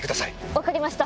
分かりました。